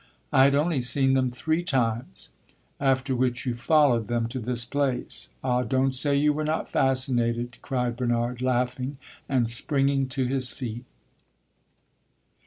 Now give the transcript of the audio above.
"I had only seen them three times." "After which you followed them to this place? Ah, don't say you were not fascinated!" cried Bernard, laughing and springing to his feet.